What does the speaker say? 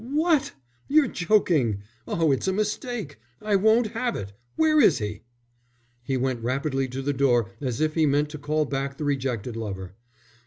"What! You're joking. Oh, it's a mistake! I won't have it. Where is he?" He went rapidly to the door as if he meant to call back the rejected lover.